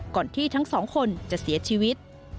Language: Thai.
ก่อนที่ทั้งสองคนจะเสียชีวิต